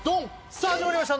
さあ始まりました